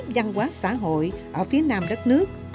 văn hóa xã hội ở phía nam đất nước